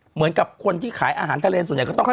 เหมือนกับคนที่ขายอาหารทะเลส่วนใหญ่ก็ต้องขาย